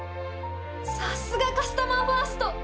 さすがカスタマーファースト！